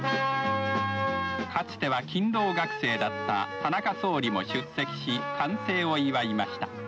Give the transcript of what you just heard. かつては勤労学生だった田中総理も出席し完成を祝いました。